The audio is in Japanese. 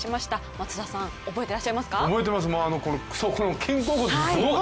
松田さん、覚えてらっしゃいますか。